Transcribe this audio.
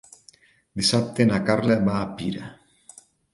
Dissabte na Carla va a Pira.